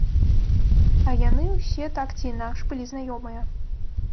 А яны ўсе так ці інакш былі знаёмыя.